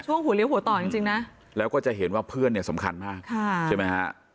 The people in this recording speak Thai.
หัวเลี้ยหัวต่อจริงนะแล้วก็จะเห็นว่าเพื่อนเนี่ยสำคัญมากใช่ไหมฮะ